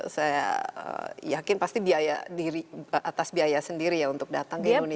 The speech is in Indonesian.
saya yakin pasti atas biaya sendiri ya untuk datang ke indonesia